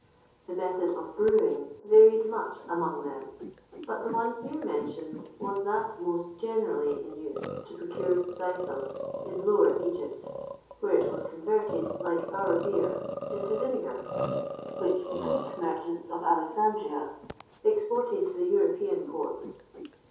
The method of brewing varied much among them;[XXVI 6] but the one here mentioned was that most generally in use to procure zythum in Lower Egypt, where it was converted, like our beer, into vinegar, which the Greek merchants of Alexandria exported to the European ports.